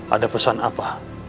ada pesan apa